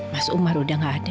mas umar sudah tidak ada